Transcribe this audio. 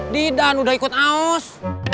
di dan udah ikut aus